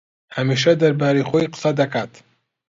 ھەمیشە دەربارەی خۆی قسە دەکات.